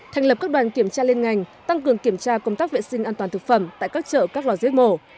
thành lập các đoàn kiểm tra liên ngành tăng cường kiểm tra công tác vệ sinh an toàn thực phẩm tại các chợ các lò giết mổ